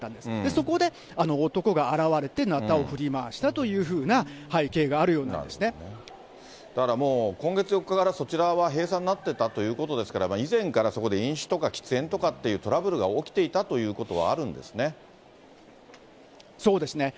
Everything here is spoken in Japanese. そこであの男が現れてなたを振り回したというふうな背景があるよだからもう、今月４日からそちらは閉鎖になってたということですから、以前からそこで飲酒とか喫煙とかっていうトラブルが起きていたとそうですね。